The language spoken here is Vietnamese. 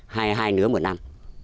hai nửa một năm